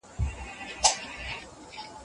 لیکوال د فکري خوځښت خبره کوي.